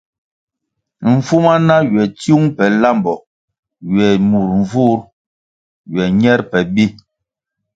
Mfuma na ywe tsiung pe lambo ywe mur mvur ywe ñer pe bi.